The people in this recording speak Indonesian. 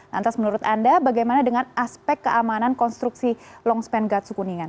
lantas menurut anda bagaimana dengan aspek keamanan konstruksi longspan gatsu kuningan